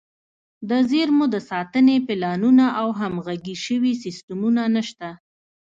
د زیرمو د ساتنې پلانونه او همغږي شوي سیستمونه نشته.